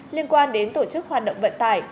liên quan đến tổ chức hoạt động vận tải